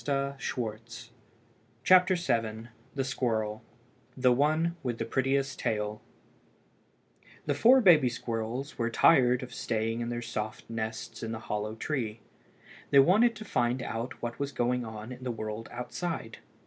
VII THE SQUIRREL "THE ONE WITH THE PRETTIEST TAIL" THE ONE WITH THE PRETTIEST TAIL THE four baby squirrels were tired of staying in their soft nest in the hollow tree. They wanted to find out what was going on in the world outside.